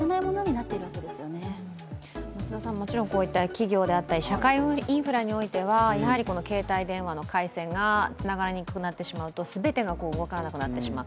企業や社会インフラにおいては携帯電話の回線がつながりにくくなってしまうと、全てが動かなくなってしまう。